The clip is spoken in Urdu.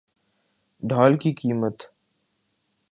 ڈھال کی قیمت